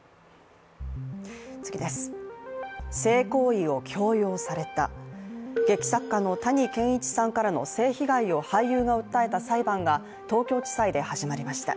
性行為を強要された、劇作家の谷賢一さんからの性被害を俳優が訴えた裁判が、東京地裁で始まりました。